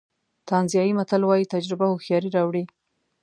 تانزانیایي متل وایي تجربه هوښیاري راوړي.